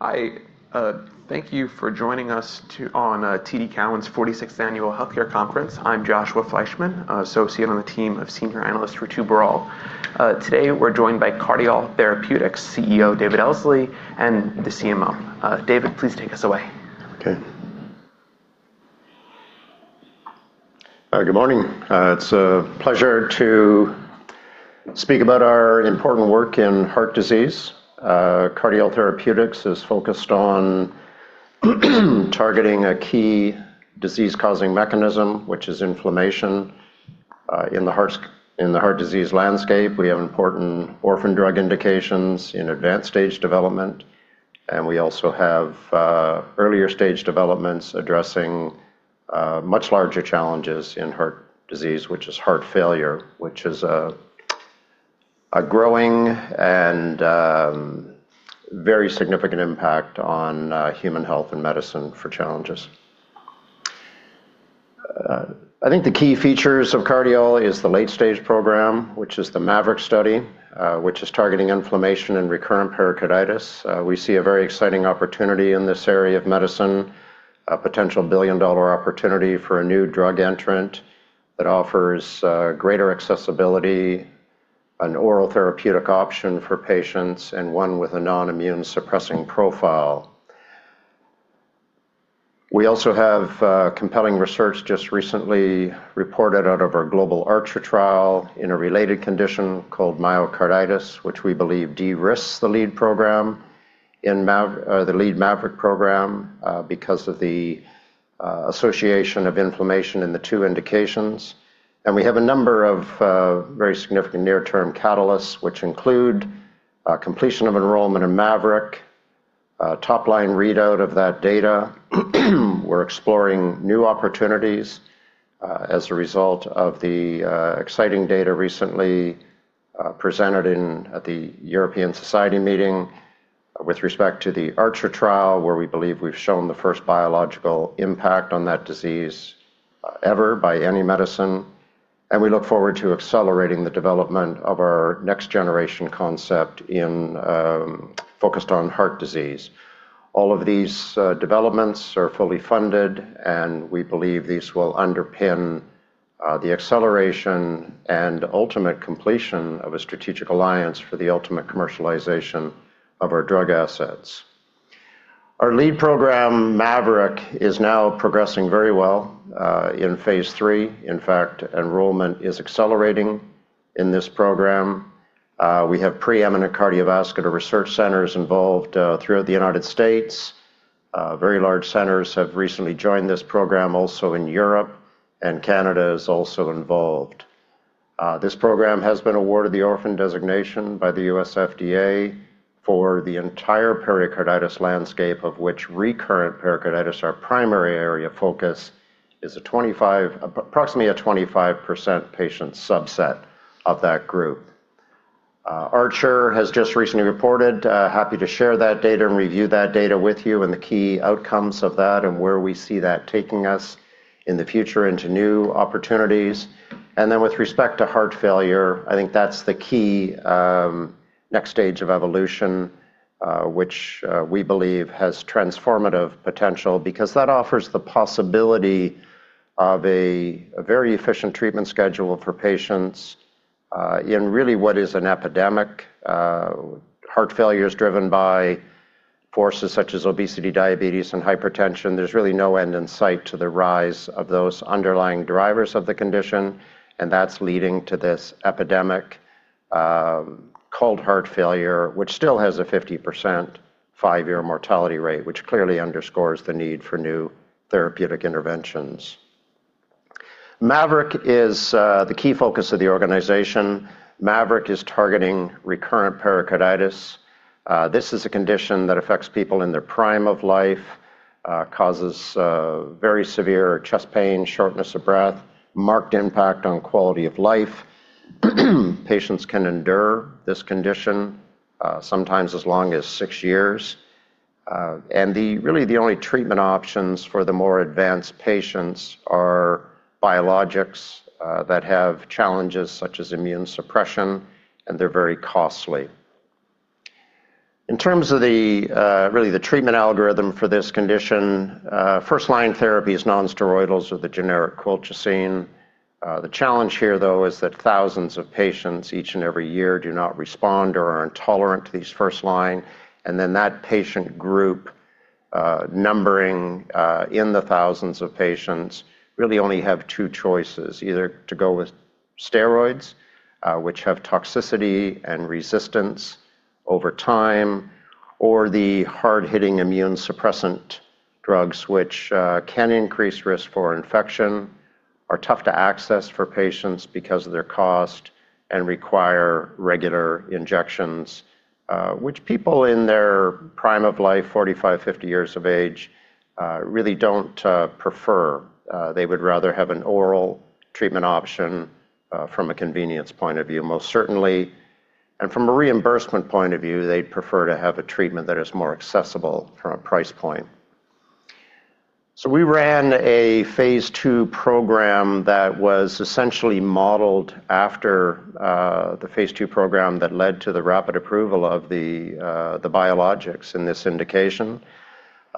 Hi, thank you for joining us on TD Cowen's 46th Annual Healthcare Conference. I'm Joshua Fleishman, associate on the team of senior analyst Richard Brawl. Today we're joined by Cardiol Therapeutics CEO David Elsley and the CMO. David, please take us away. Okay. Good morning. It's a pleasure to speak about our important work in heart disease. Cardiol Therapeutics is focused on targeting a key disease-causing mechanism, which is inflammation, in the heart disease landscape. We have important orphan drug indications in advanced stage development, we also have earlier stage developments addressing much larger challenges in heart disease, which is heart failure, which is a growing and very significant impact on human health and medicine for challenges. I think the key features of Cardiol is the late stage program, which is the MAVERIC study, which is targeting inflammation and recurrent pericarditis. We see a very exciting opportunity in this area of medicine, a potential billion-dollar opportunity for a new drug entrant that offers greater accessibility, an oral therapeutic option for patients, and one with a non-immune suppressing profile. We also have compelling research just recently reported out of our global ARCHER trial in a related condition called myocarditis, which we believe de-risks the lead MAVERIC program because of the association of inflammation in the two indications. We have a number of very significant near term catalysts, which include completion of enrollment in MAVERIC, a top-line readout of that data. We're exploring new opportunities, as a result of the exciting data recently presented at the European Society meeting with respect to the ARCHER trial, where we believe we've shown the first biological impact on that disease ever by any medicine, and we look forward to accelerating the development of our next generation concept in focused on heart disease. All of these developments are fully funded, and we believe these will underpin the acceleration and ultimate completion of a strategic alliance for the ultimate commercialization of our drug assets. Our lead program, MAVERIC, is now progressing very well in phase III. In fact, enrollment is accelerating in this program. We have preeminent cardiovascular research centers involved throughout the United States. Very large centers have recently joined this program also in Europe, and Canada is also involved. This program has been awarded the Orphan Drug Designation by the U.S. FDA for the entire pericarditis landscape, of which recurrent pericarditis, our primary area of focus, is approximately a 25% patient subset of that group. ARCHER has just recently reported. Happy to share that data and review that data with you and the key outcomes of that and where we see that taking us in the future into new opportunities. With respect to heart failure, I think that's the key next stage of evolution, which we believe has transformative potential because that offers the possibility of a very efficient treatment schedule for patients in really what is an epidemic. Heart failure is driven by forces such as obesity, diabetes, and hypertension. There's really no end in sight to the rise of those underlying drivers of the condition, and that's leading to this epidemic, called heart failure, which still has a 50% 5-year mortality rate, which clearly underscores the need for new therapeutic interventions. MAVERIC is the key focus of the organization. MAVERIC is targeting recurrent pericarditis. This is a condition that affects people in their prime of life, causes very severe chest pain, shortness of breath, marked impact on quality of life. Patients can endure this condition sometimes as long as six years. really the only treatment options for the more advanced patients are biologics that have challenges such as immune suppression, and they're very costly. In terms of the really the treatment algorithm for this condition, first-line therapy is nonsteroidals or the generic colchicine. The challenge here, though, is that thousands of patients each and every year do not respond or are intolerant to these first-line, and then that patient group, numbering, in the thousands of patients really only have two choices, either to go with steroids, which have toxicity and resistance over time, or the hard-hitting immunosuppressant drugs, which can increase risk for infection, are tough to access for patients because of their cost, and require regular injections, which people in their prime of life, 45, 50 years of age, really don't prefer. They would rather have an oral treatment option, from a convenience point of view, most certainly. From a reimbursement point of view, they'd prefer to have a treatment that is more accessible from a price point. We ran a phase II program that was essentially modeled after the phase II program that led to the rapid approval of the biologics in this indication.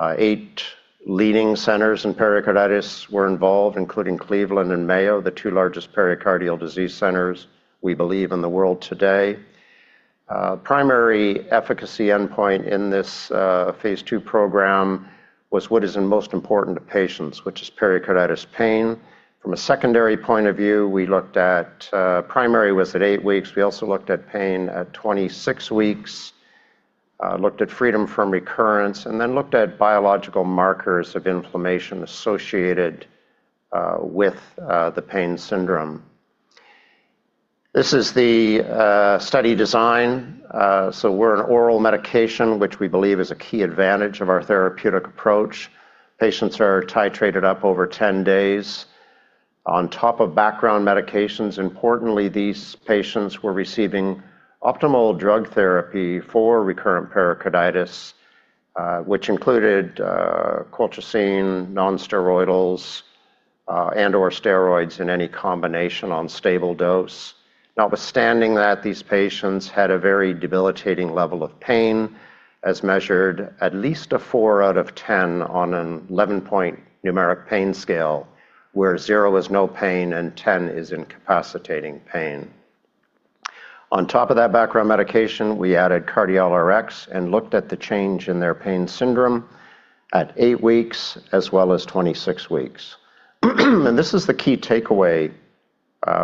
8 leading centers in pericarditis were involved, including Cleveland and Mayo, the two largest pericardial disease centers we believe in the world today. Primary efficacy endpoint in this phase II program was what is in most important to patients, which is pericarditis pain. From a secondary point of view, we looked at primary was at 8 weeks. We also looked at pain at 26 weeks, looked at freedom from recurrence, and then looked at biological markers of inflammation associated with the pain syndrome. This is the study design. We're an oral medication, which we believe is a key advantage of our therapeutic approach. Patients are titrated up over 10 days on top of background medications. Importantly, these patients were receiving optimal drug therapy for recurrent pericarditis, which included colchicine, non-steroidals, and/or steroids in any combination on stable dose. Notwithstanding that, these patients had a very debilitating level of pain as measured at least a 4 out of 10 on an 11-point Numeric Pain Scale, where 0 is no pain and 10 is incapacitating pain. On top of that background medication, we added CardiolRx and looked at the change in their pain syndrome at eight weeks as well as 26 weeks. This is the key takeaway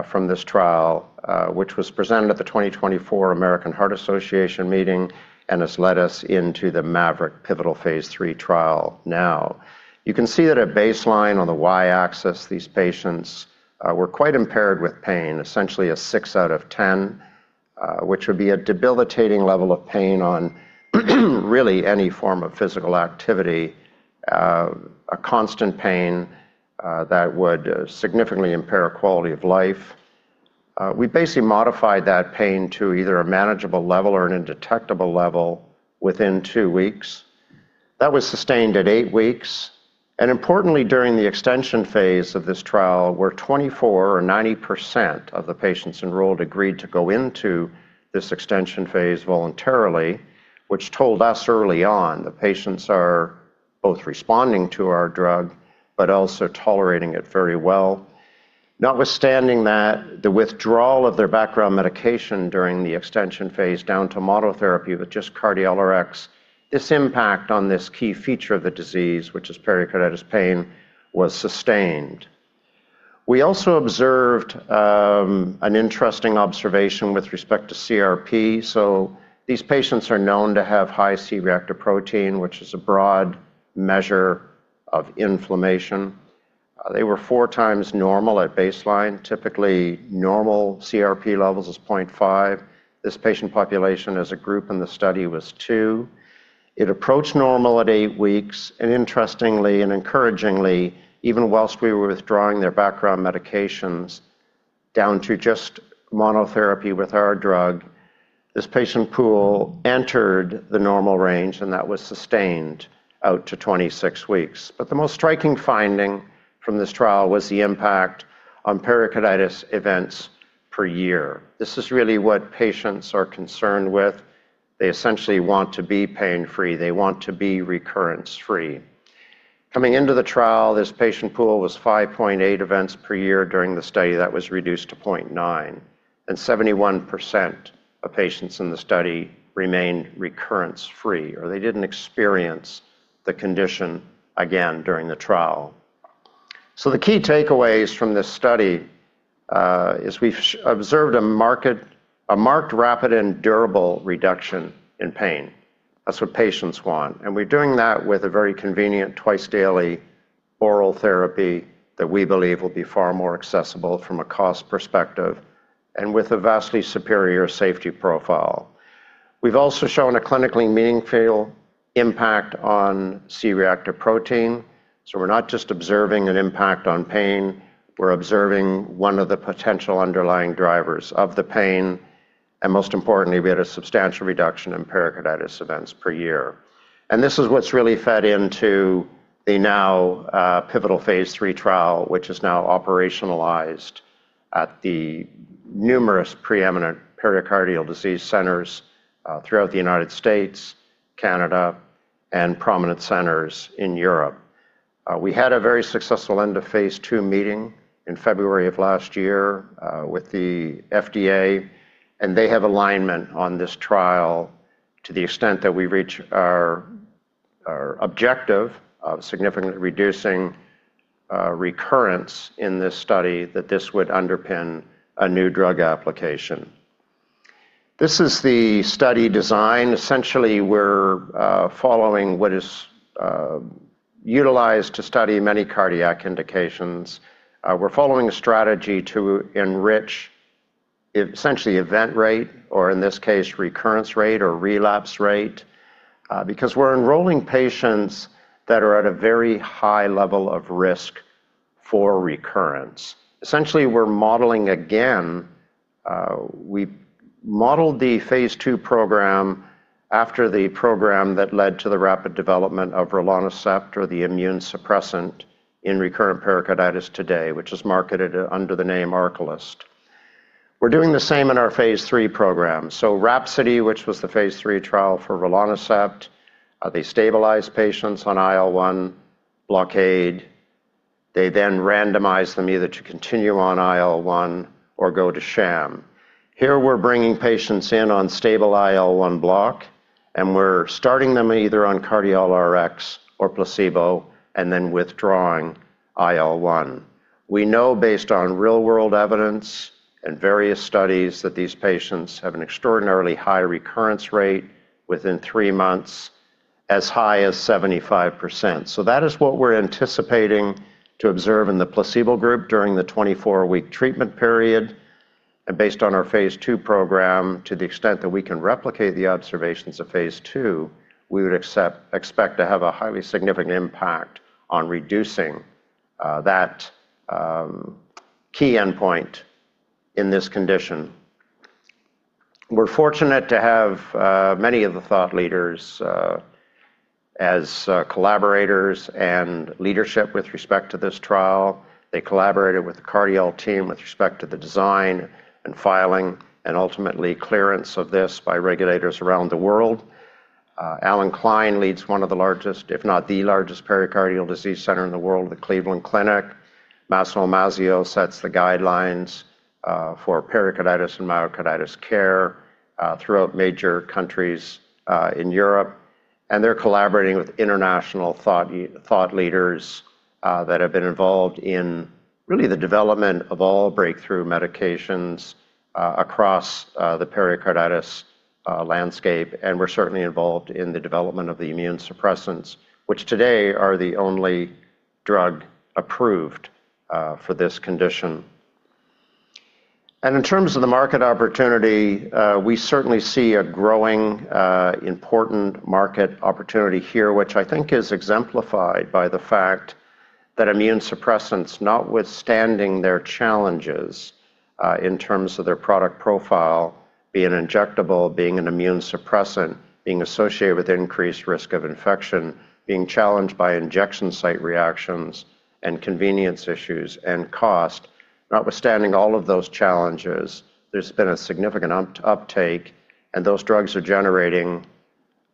from this trial, which was presented at the 2024 American Heart Association meeting and has led us into the MAVERIC pivotal Phase III trial now. You can see that at baseline on the Y-axis, these patients were quite impaired with pain, essentially a 6 out of 10, which would be a debilitating level of pain on really any form of physical activity. A constant pain that would significantly impair quality of life. We basically modified that pain to either a manageable level or an undetectable level within two weeks. That was sustained at eight weeks. Importantly, during the extension phase of this trial, where 24 or 90% of the patients enrolled agreed to go into this extension phase voluntarily, which told us early on the patients are both responding to our drug but also tolerating it very well. Notwithstanding that, the withdrawal of their background medication during the extension phase down to monotherapy with just CardiolRx, its impact on this key feature of the disease, which is pericarditis pain, was sustained. We also observed an interesting observation with respect to CRP. These patients are known to have high C-reactive protein, which is a broad measure of inflammation. They were 4x normal at baseline. Typically, normal CRP levels is 0.5. This patient population as a group in the study was 2. It approached normal at 8 weeks. Interestingly and encouragingly, even whilst we were withdrawing their background medications down to just monotherapy with our drug, this patient pool entered the normal range, and that was sustained out to 26 weeks. The most striking finding from this trial was the impact on pericarditis events per year. This is really what patients are concerned with. They essentially want to be pain-free. They want to be recurrence-free. Coming into the trial, this patient pool was 5.8 events per year during the study. That was reduced to 0.9. Seventy-one percent of patients in the study remained recurrence-free, or they didn't experience the condition again during the trial. The key takeaways from this study is we've observed a marked rapid and durable reduction in pain. That's what patients want. We're doing that with a very convenient twice-daily oral therapy that we believe will be far more accessible from a cost perspective and with a vastly superior safety profile. We've also shown a clinically meaningful impact on C-reactive protein. We're not just observing an impact on pain. We're observing one of the potential underlying drivers of the pain. Most importantly, we had a substantial reduction in pericarditis events per year. This is what's really fed into the now pivotal phase III trial, which is now operationalized at the numerous preeminent pericardial disease centers throughout the United States, Canada, and prominent centers in Europe. We had a very successful end-of-phase II meeting in February of last year with the FDA, and they have alignment on this trial to the extent that we reach our objective of significantly reducing recurrence in this study that this would underpin a New Drug Application. This is the study design. Essentially, we're following what is utilized to study many cardiac indications. We're following a strategy to enrich essentially event rate or, in this case, recurrence rate or relapse rate, because we're enrolling patients that are at a very high level of risk for recurrence. Essentially, we're modeling again, we modeled the phase II program after the program that led to the rapid development of rilonacept or the immune suppressant in recurrent pericarditis today, which is marketed under the name ARCALYST. We're doing the same in our phase III program. RHAPSODY, which was the phase III trial for rilonacept, they stabilize patients on IL-1 blockade. They randomize them either to continue on IL-1 or go to sham. Here we're bringing patients in on stable IL-1 block, and we're starting them either on CardiolRx or placebo and then withdrawing IL-1. We know based on real-world evidence and various studies that these patients have an extraordinarily high recurrence rate within three months, as high as 75%. That is what we're anticipating to observe in the placebo group during the 24-week treatment period. Based on our phase II program, to the extent that we can replicate the observations of phase II, we would expect to have a highly significant impact on reducing that key endpoint in this condition. We're fortunate to have many of the thought leaders as collaborators and leadership with respect to this trial. They collaborated with the Cardiol team with respect to the design and filing and ultimately clearance of this by regulators around the world. Allan Klein leads one of the largest, if not the largest, pericardial disease center in the world, the Cleveland Clinic. Massimo Imazio sets the guidelines for pericarditis and myocarditis care throughout major countries in Europe. They're collaborating with international thought leaders that have been involved in really the development of all breakthrough medications across the pericarditis landscape. We're certainly involved in the development of the immune suppressants, which today are the only drug approved for this condition. In terms of the market opportunity, we certainly see a growing, important market opportunity here, which I think is exemplified by the fact that immunosuppressants, notwithstanding their challenges, in terms of their product profile, be it injectable, being an immunosuppressant, being associated with increased risk of infection, being challenged by injection site reactions and convenience issues and cost. Notwithstanding all of those challenges, there's been a significant uptake, and those drugs are generating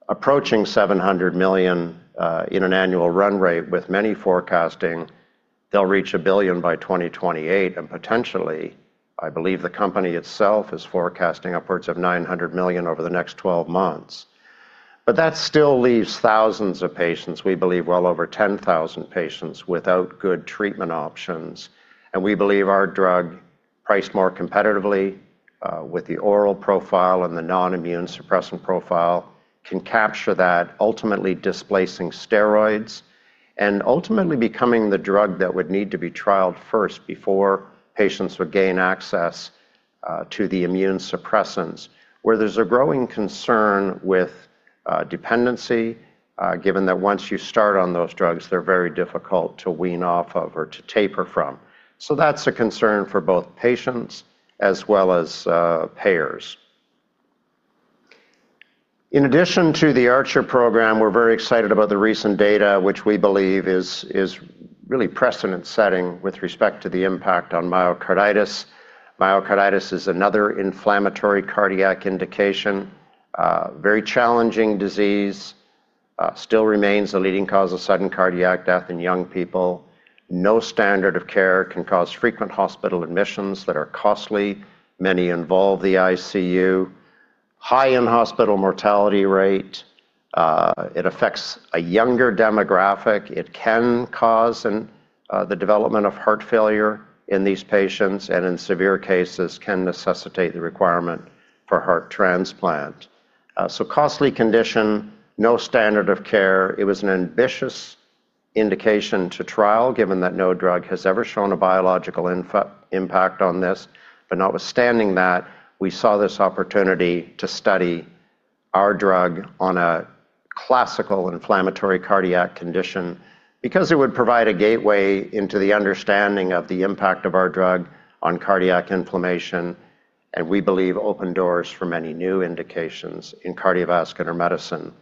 approaching $700 million in an annual run rate, with many forecasting they'll reach $1 billion by 2028. Potentially, I believe the company itself is forecasting upwards of $900 million over the next 12 months. That still leaves thousands of patients, we believe well over 10,000 patients, without good treatment options. We believe our drug, priced more competitively, with the oral profile and the non-immune suppressant profile, can capture that, ultimately displacing steroids and ultimately becoming the drug that would need to be trialed first before patients would gain access to the immune suppressants, where there's a growing concern with dependency, given that once you start on those drugs, they're very difficult to wean off of or to taper from. That's a concern for both patients as well as payers. In addition to the ARCHER program, we're very excited about the recent data, which we believe is really precedent-setting with respect to the impact on myocarditis. Myocarditis is another inflammatory cardiac indication, very challenging disease, still remains the leading cause of sudden cardiac death in young people. No standard of care can cause frequent hospital admissions that are costly. Many involve the ICU. High in-hospital mortality rate. It affects a younger demographic. It can cause the development of heart failure in these patients and in severe cases, can necessitate the requirement for heart transplant. Costly condition, no standard of care. It was an ambitious indication to trial, given that no drug has ever shown a biological impact on this. Notwithstanding that, we saw this opportunity to study our drug on a classical inflammatory cardiac condition because it would provide a gateway into the understanding of the impact of our drug on cardiac inflammation, and we believe open doors for many new indications in cardiovascular medicine.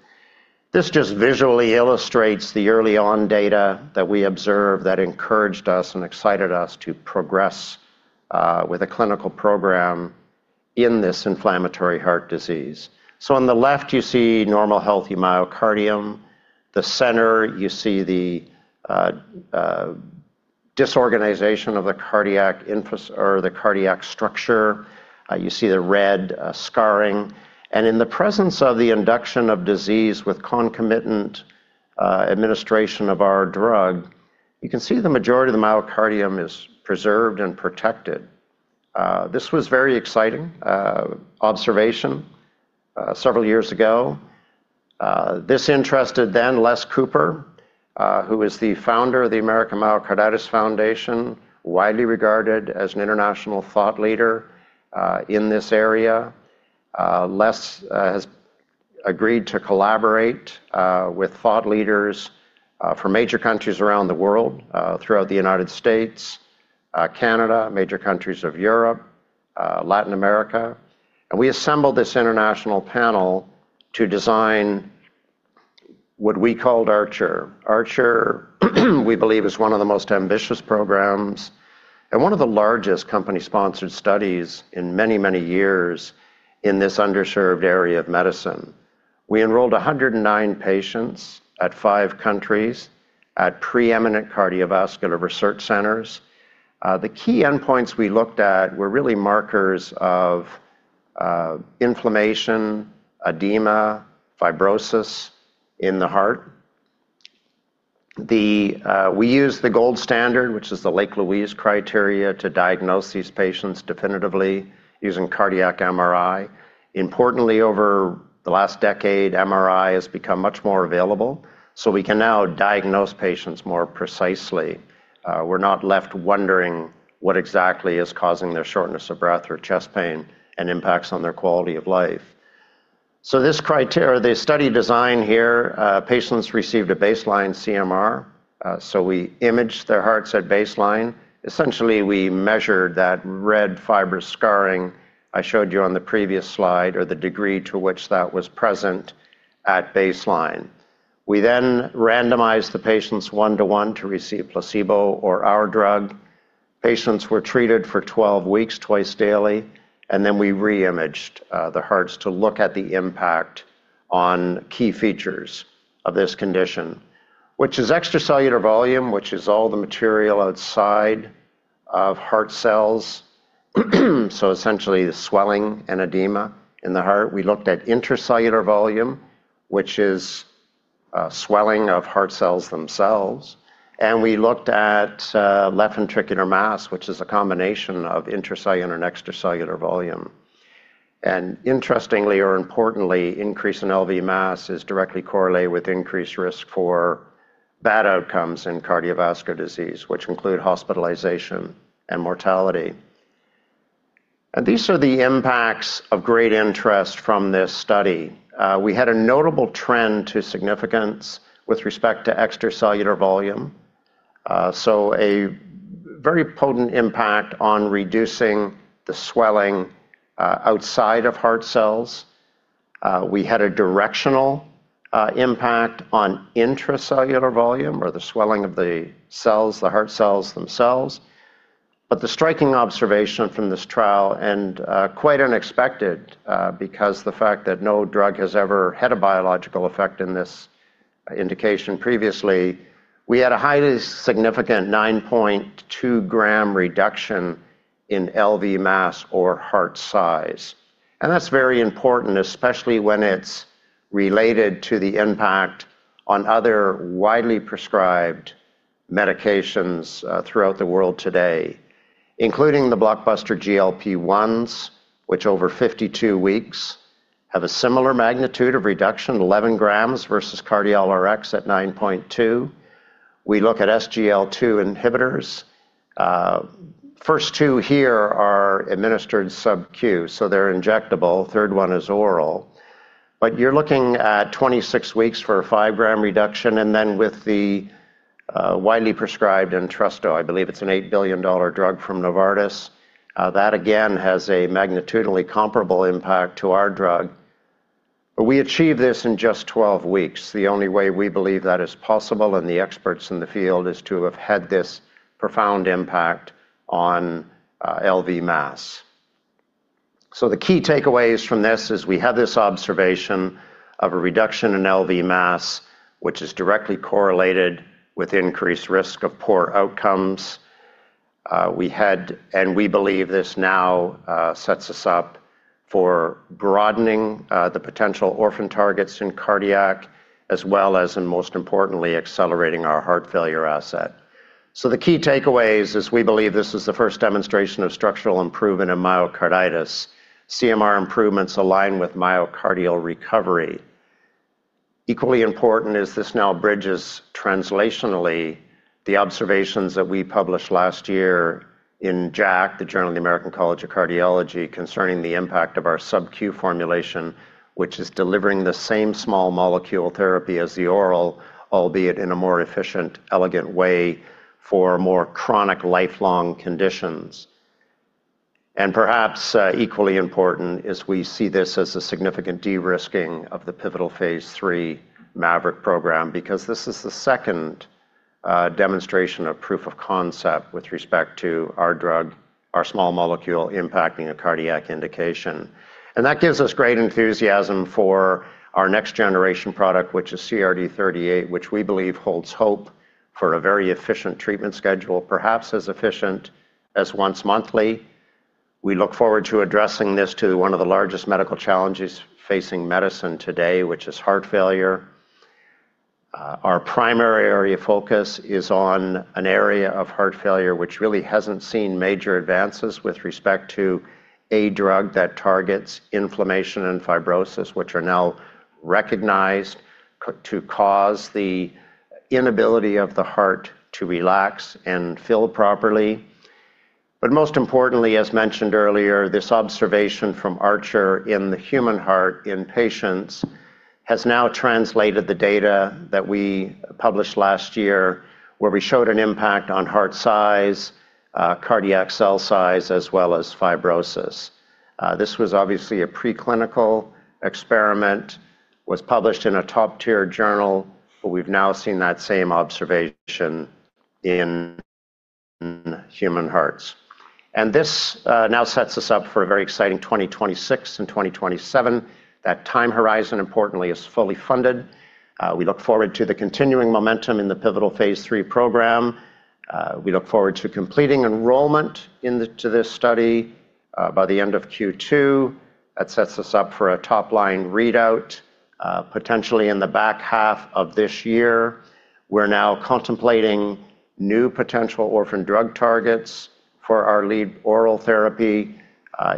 This just visually illustrates the early-on data that we observed that encouraged us and excited us to progress with a clinical program in this inflammatory heart disease. On the left, you see normal healthy myocardium. The center, you see the disorganization of the cardiac infra-- or the cardiac structure. You see the red scarring. In the presence of the induction of disease with concomitant administration of our drug, you can see the majority of the myocardium is preserved and protected. This was very exciting observation several years ago. This interested then Les Cooper, who is the founder of the American Myocarditis Foundation, widely regarded as an international thought leader in this area. Les has agreed to collaborate with thought leaders for major countries around the world, throughout the United States, Canada, major countries of Europe, Latin America. We assembled this international panel to design what we called ARCHER. ARCHER we believe is one of the most ambitious programs and one of the largest company-sponsored studies in many, many years in this underserved area of medicine. We enrolled 109 patients at five countries at preeminent cardiovascular research centers. The key endpoints we looked at were really markers of inflammation, edema, fibrosis in the heart. We used the gold standard, which is the Lake Louise Criteria, to diagnose these patients definitively using Cardiac MRI. Importantly, over the last decade, MRI has become much more available, so we can now diagnose patients more precisely. We're not left wondering what exactly is causing their shortness of breath or chest pain and impacts on their quality of life. This criteria, the study design here, patients received a baseline CMR. We imaged their hearts at baseline. We measured that red fiber scarring I showed you on the previous slide or the degree to which that was present at baseline. We randomized the patients one to one to receive placebo or our drug. Patients were treated for 12 weeks twice daily, then we re-imaged the hearts to look at the impact on key features of this condition, which is extracellular volume, which is all the material outside of heart cells so essentially the swelling and edema in the heart. We looked at intracellular volume, which is swelling of heart cells themselves. We looked at left ventricular mass, which is a combination of intracellular and extracellular volume. Interestingly or importantly, increase in LV mass is directly correlated with increased risk for bad outcomes in cardiovascular disease, which include hospitalization and mortality. These are the impacts of great interest from this study. We had a notable trend to significance with respect to extracellular volume. A very potent impact on reducing the swelling outside of heart cells. We had a directional impact on intracellular volume or the swelling of the cells, the heart cells themselves. The striking observation from this trial and quite unexpected, because the fact that no drug has ever had a biological effect in this indication previously, we had a highly significant 9.2g reduction in LV mass or heart size. That's very important, especially when it's related to the impact on other widely prescribed medications throughout the world today, including the blockbuster GLP-1s, which over 52 weeks have a similar magnitude of reduction, 11g versus CardiolRx at 9.2. We look at SGLT2 inhibitors. First two here are administered sub-Q, so they're injectable. Third one is oral. You're looking at 26 weeks for a 5g reduction, and then with the widely prescribed Entresto, I believe it's an $8 billion drug from Novartis, that again has a magnitudinally comparable impact to our drug. We achieve this in just 12 weeks. The only way we believe that is possible and the experts in the field is to have had this profound impact on LV mass. The key takeaways from this is we have this observation of a reduction in LV mass, which is directly correlated with increased risk of poor outcomes. We believe this now sets us up for broadening the potential orphan targets in cardiac as well as, and most importantly, accelerating our heart failure asset. The key takeaways is we believe this is the first demonstration of structural improvement in myocarditis. CMR improvements align with myocardial recovery. Equally important is this now bridges translationally the observations that we published last year in JACC, the Journal of the American College of Cardiology, concerning the impact of our Sub-Q formulation, which is delivering the same small molecule therapy as the oral, albeit in a more efficient, elegant way for more chronic lifelong conditions. Perhaps, equally important is we see this as a significant de-risking of the pivotal phase III MAVERIC program because this is the second demonstration of proof of concept with respect to our drug, our small molecule impacting a cardiac indication. That gives us great enthusiasm for our next generation product, which is CRD-38, which we believe holds hope for a very efficient treatment schedule, perhaps as efficient as once monthly. We look forward to addressing this to one of the largest medical challenges facing medicine today, which is heart failure. Our primary area of focus is on an area of heart failure which really hasn't seen major advances with respect to a drug that targets inflammation and fibrosis, which are now recognized to cause the inability of the heart to relax and fill properly. Most importantly, as mentioned earlier, this observation from ARCHER in the human heart in patients has now translated the data that we published last year where we showed an impact on heart size, cardiac cell size, as well as fibrosis. This was obviously a preclinical experiment, was published in a top-tier journal, but we've now seen that same observation in human hearts. This now sets us up for a very exciting 2026 and 2027. That time horizon importantly is fully funded. We look forward to the continuing momentum in the pivotal phase III program. We look forward to completing enrollment in this study by the end of Q2. That sets us up for a top-line readout potentially in the back half of this year. We're now contemplating new potential orphan drug targets for our lead oral therapy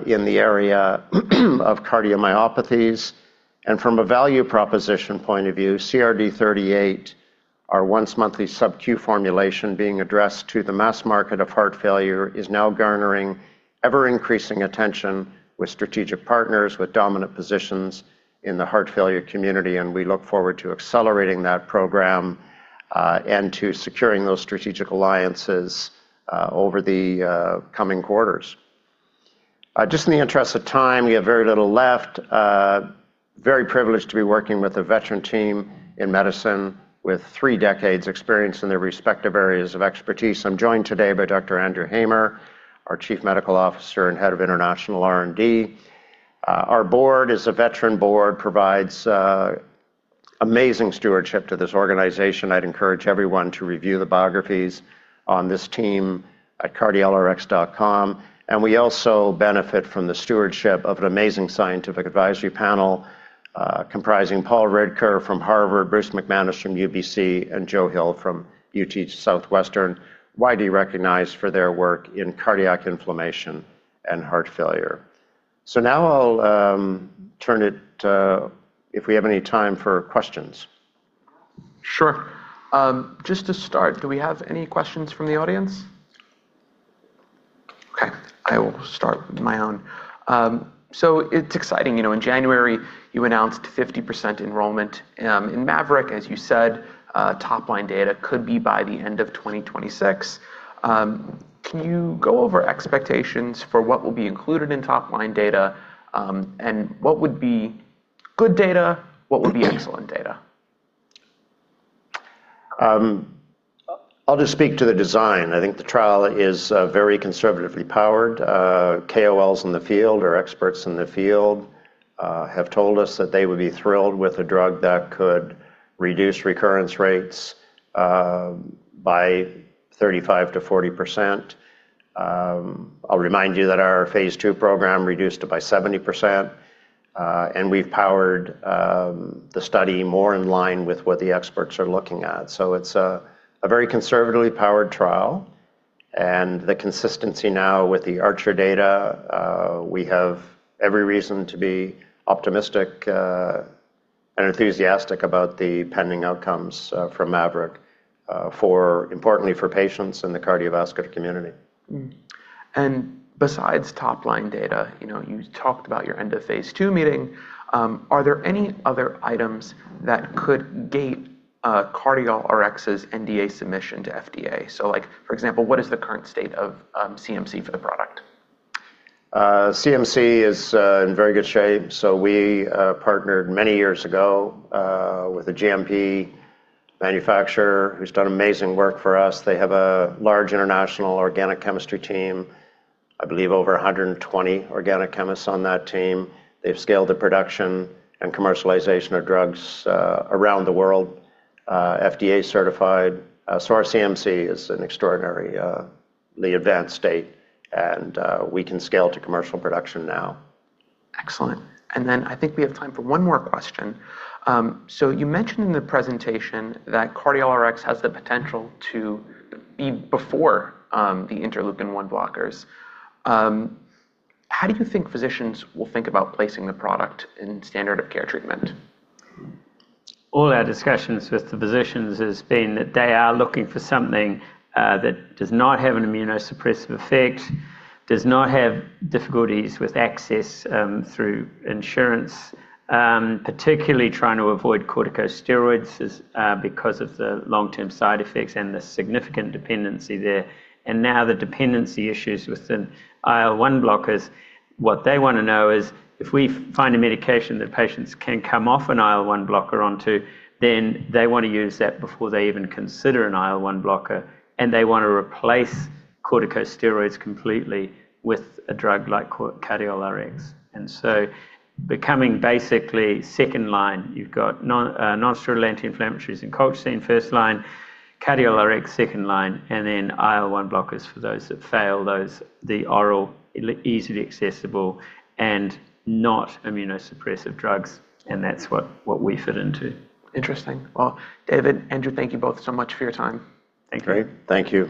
in the area of cardiomyopathies. From a value proposition point of view, CRD-38, our once-monthly subQ formulation being addressed to the mass market of heart failure, is now garnering ever-increasing attention with strategic partners with dominant positions in the heart failure community, and we look forward to accelerating that program and to securing those strategic alliances over the coming quarters. Just in the interest of time, we have very little left. Very privileged to be working with a veteran team in medicine with three decades experience in their respective areas of expertise. I'm joined today by Dr. Andrew Hamer, our chief medical officer and head of international R&D. Our board is a veteran board, provides amazing stewardship to this organization. I'd encourage everyone to review the biographies on this team at cardiolrx.com. We also benefit from the stewardship of an amazing scientific advisory panel, comprising Paul Ridker from Harvard, Bruce McManus from UBC, and Joe Hill from UT Southwestern, widely recognized for their work in cardiac inflammation and heart failure. Now I'll turn it to if we have any time for questions. Sure. Just to start, do we have any questions from the audience? Okay, I will start with my own. It's exciting. You know, in January, you announced 50% enrollment in MAVERIC. As you said, top-line data could be by the end of 2026. Can you go over expectations for what will be included in top-line data, and what would be good data, what would be excellent data? I'll just speak to the design. I think the trial is very conservatively powered. KOLs in the field or experts in the field have told us that they would be thrilled with a drug that could reduce recurrence rates by 35%-40%. I'll remind you that our phase II program reduced it by 70%. We've powered the study more in line with what the experts are looking at. It's a very conservatively powered trial. The consistency now with the ARCHER data, we have every reason to be optimistic and enthusiastic about the pending outcomes for MAVERIC, importantly for patients in the cardiovascular community. Mm-hmm. Besides top-line data, you know, you talked about end-of-phase II meeting, are there any other items that could gate CardiolRx's NDA submission to FDA? Like, for example, what is the current state of CMC for the product? CMC is in very good shape. We partnered many years ago with a GMP manufacturer who's done amazing work for us. They have a large international organic chemistry team, I believe over 120 organic chemists on that team. They've scaled the production and commercialization of drugs around the world, FDA certified. Our CMC is in extraordinarily advanced state, and we can scale to commercial production now. Excellent. I think we have time for one more question. You mentioned in the presentation that CardiolRx has the potential to be before the interleukin-1 blockers. How do you think physicians will think about placing the product in standard of care treatment? All our discussions with the physicians has been that they are looking for something that does not have an immunosuppressive effect, does not have difficulties with access through insurance, particularly trying to avoid corticosteroids as because of the long-term side effects and the significant dependency there, and now the dependency issues with the IL-1 blockers. What they wanna know is if we find a medication that patients can come off an IL-1 blocker onto, then they wanna use that before they even consider an IL-1 blocker, and they wanna replace corticosteroids completely with a drug like CardiolRx. Becoming basically second line. You've got non-steroidal anti-inflammatories and colchicine first line, CardiolRx second line, and then IL-1 blockers for those that fail those, the oral, easily accessible, and not immunosuppressive drugs, and that's what we fit into. Interesting. Well, David, Andrew, thank you both so much for your time. Thank you. Great. Thank you.